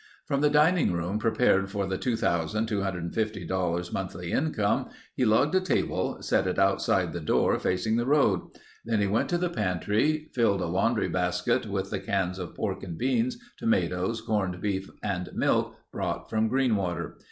From the dining room, prepared for the $2250 monthly income, he lugged a table, set it outside the door facing the road. Then he went to the pantry, filled a laundry basket with the cans of pork and beans, tomatoes, corned beef, and milk brought from Greenwater.